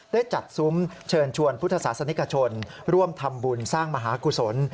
ได้จัดซุ้มเชิญชวนพุทธศาสนิกชนร่วมทำบุญสร้างมหากุศล